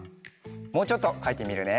もうちょっとかいてみるね。